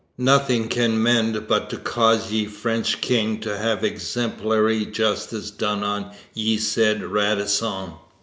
Nothing can mend but to cause ye French King to have exemplary justice done on ye said Radisson.'